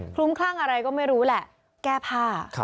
ลุ้มคลั่งอะไรก็ไม่รู้แหละแก้ผ้า